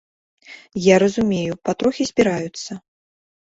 Я разумею, патрохі збіраюцца.